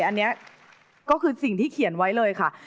อันนี้ก็คือสิ่งที่เขียนไว้เลยค่ะ